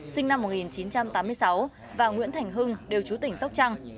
sinh năm một nghìn chín trăm tám mươi sáu và nguyễn thành hưng đều chú tỉnh sóc trăng